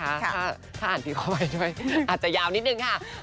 ถ้าอ่านดีเข้าไปด้วยอาจจะยาวนิดนึงค่ะ